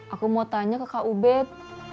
aku mau tanya ke kak ubed